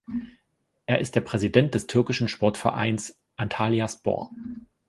Er ist der Präsident des türkischen Sportvereins Antalyaspor.